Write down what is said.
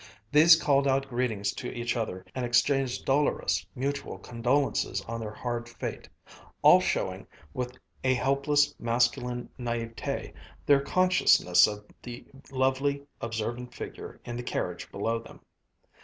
These called out greetings to each other, and exchanged dolorous mutual condolences on their hard fate; all showing, with a helpless masculine naïveté, their consciousness of the lovely, observant figure in the carriage below them.